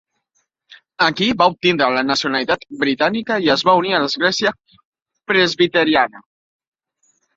Aquí va obtindre la nacionalitat britànica i es va unir a l'església presbiteriana.